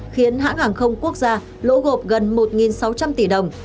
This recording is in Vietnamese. khiến hãng hàng không quốc gia lỗ gộp gần một sáu trăm linh tỷ đồng